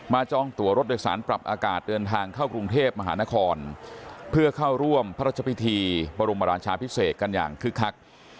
จองตัวรถโดยสารปรับอากาศเดินทางเข้ากรุงเทพมหานครเพื่อเข้าร่วมพระราชพิธีบรมราชาพิเศษกันอย่างคึกคัก